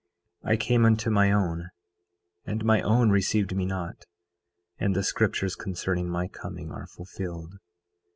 9:16 I came unto my own, and my own received me not. And the scriptures concerning my coming are fulfilled.